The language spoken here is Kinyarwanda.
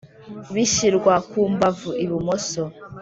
bishyirwa kumbavu ibumoso